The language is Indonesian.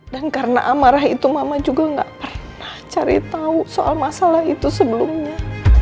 dan karena amarah itu mama juga gak pernah cari tau soal masalah itu sebelumnya